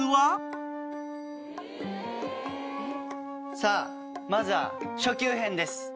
さあまずは初級編です。